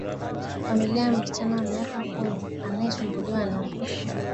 familia ya msichana wa miaka kumi anayesumbuliwa na